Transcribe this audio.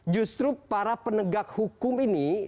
justru para penegak hukum ini